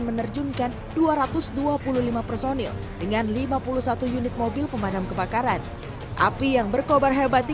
menerjunkan dua ratus dua puluh lima personil dengan lima puluh satu unit mobil pemadam kebakaran api yang berkobar hebat di